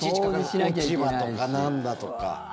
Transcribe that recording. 落ち葉とかなんだとか。